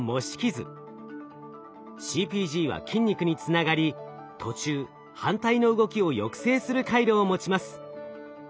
ＣＰＧは筋肉につながり途中反対の動きを抑制する回路を持ちます。